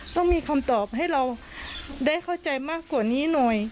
ต้องมีคำตอบให้เราได้เข้าใจมากกว่านี้หน่อย